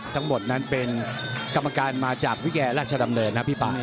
ทั้งหมดนั้นเป็นกรรมการมาจากวิทยาราชดำเนินนะพี่ป่า